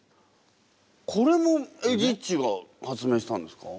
これもエジっちが発明したんですか？